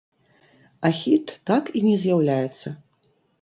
А хіт так і не з'яўляецца.